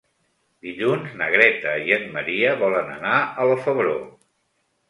Dilluns na Greta i en Maria volen anar a la Febró.